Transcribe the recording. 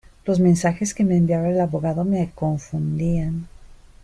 Los mensajes que me enviaba el abogado me confundían.